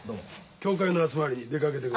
協会の集まりに出かけてくる。